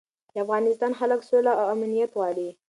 د افغانستان خلک سوله او امنیت غواړي.